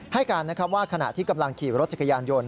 ให้การนะครับว่าขณะที่กำลังขี่รถจักรยานยนต์